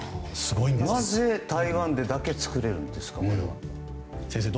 なぜ台湾でだけ作れるんですか？